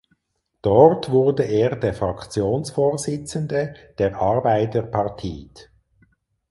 Dort wurde er der Fraktionsvorsitzende der Arbeiderpartiet.